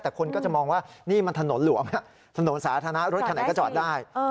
แต่คนก็จะมองว่านี่มันถนนหลวงถนนสาธารณะรถคันไหนก็จอดได้